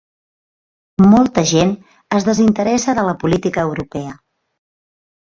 Molta gent es desinteressa de la política europea.